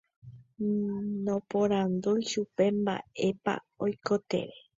Naporandúi chupe mba'épa oikotevẽ.